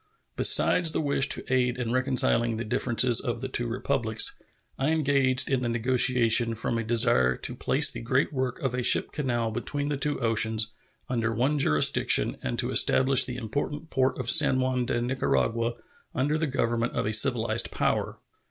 Besides the wish to aid in reconciling the differences of the two Republics, I engaged in the negotiation from a desire to place the great work of a ship canal between the two oceans under one jurisdiction and to establish the important port of San Juan de Nicaragua under the government of a civilized power.